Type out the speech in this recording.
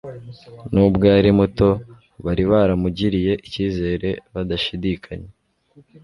N'ubwo yari muto, bari baramugiriye icyizere badashidikanya,